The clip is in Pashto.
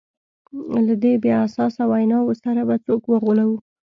له دې بې اساسه ویناوو سره به څوک وغولوو.